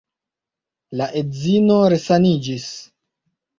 La edzino resaniĝis.